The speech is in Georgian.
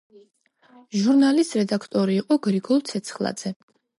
ჟურნალის რედაქტორი იყო გრიგოლ ცეცხლაძე.